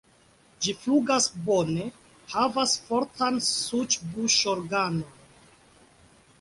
Ĝi flugas bone, havas fortan suĉ-buŝorganon.